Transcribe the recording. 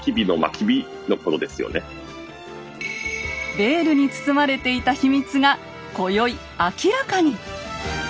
ベールに包まれていた秘密が今宵明らかに！